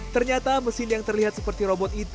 ternyata mesin yang terlihat seperti ini